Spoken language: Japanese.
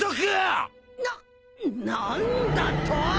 な何だと！？